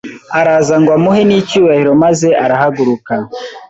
araza ngo amuhe n’icyubaro maze arahaguruka